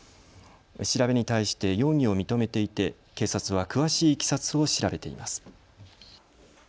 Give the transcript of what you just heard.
調べに対して容疑を認めていて警察は詳しいいきさつを調べています。